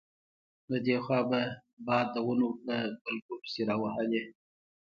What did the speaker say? له دې خوا به باد د ونو په بلګو پسې راوهلې.